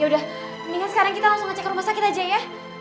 udah mendingan sekarang kita langsung ngecek rumah sakit aja ya